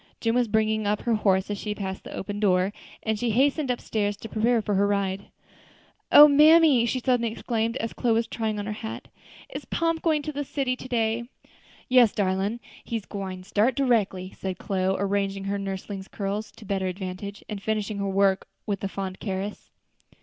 Jim was bringing up her horse as she passed the open door; and she hastened up stairs to prepare for her ride. "O mammy!" she suddenly exclaimed, as Chloe was trying on her hat, "is Pomp going to the city to day?" "Yes, darlin', he gwine start directly," said Chloe, arranging her nursling's curls to better advantage, and finishing her work with a fond caress.